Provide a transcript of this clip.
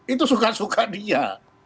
itu suka suka dia